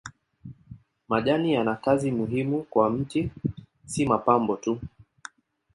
Majani yana kazi muhimu kwa mti si mapambo tu.